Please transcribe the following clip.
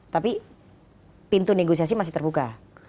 tapi pintu negosiasi masih terbuka